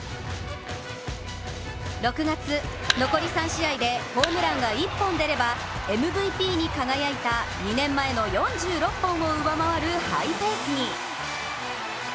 ６月、残り３試合でホームランが１本出ればＭＶＰに輝いた２年前の４６本を上回るハイペースに。